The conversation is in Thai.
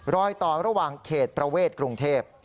รอยต่อระหว่างเขตประเวทกรุงเทพ